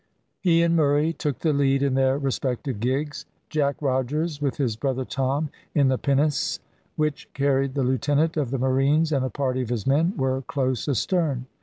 He and Murray took the lead in their respective gigs. Jack Rogers, with his brother Tom in the pinnace, which carried the lieutenant of the marines and a party of his men, were close astern.